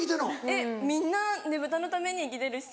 えっみんなねぶたのために生きてるし。